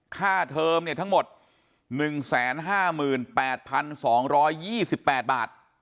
เทอมทั้งหมด๑๕๘๒๒๘บาท